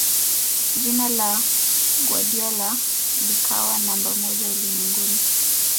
jina la guardiola likawa namba moja ulimwenguni